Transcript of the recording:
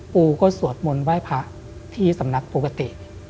ปูก็สวดมนต์ไหว้พระที่สำนักปกติ